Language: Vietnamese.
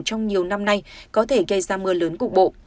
trong nhiều năm nay có thể gây ra mưa lớn cục bộ